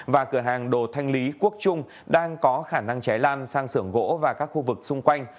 và cửa hàng đồ thanh lý quốc trung đang có khả năng cháy lan sang sưởng gỗ và các khu vực xung quanh